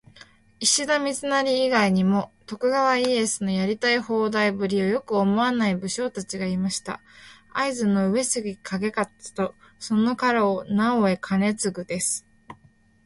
石田三成以外にも、徳川家康のやりたい放題ぶりをよく思わない武将達がいました。会津の「上杉景勝」とその家老「直江兼続」です。